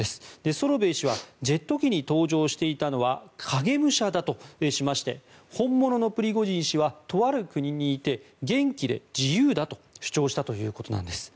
ソロベイ氏はジェット機に搭乗していたのは影武者だとしまして本物のプリゴジン氏はとある国にいて元気で自由だと主張したということなんです。